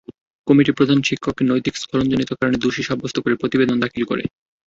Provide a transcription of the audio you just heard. Committee প্রধান শিক্ষককে নৈতিক স্খলনজনিত কারণে দোষী সাব্যস্ত করে প্রতিবেদন দাখিল করে।